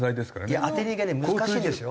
いや当て逃げね難しいですよ。